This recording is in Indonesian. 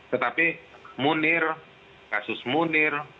tetapi munir kasus munir